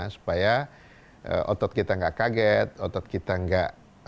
supaya otot kita tidak kaget otot kita tidak